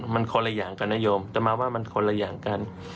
มันคนละอย่างกันนโยมแต่มาว่ามันคนละอย่างกัน